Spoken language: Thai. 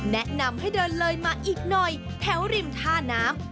แนะนำให้เดินเลยมาอีกหน่อยแถวริมท่าน้ำ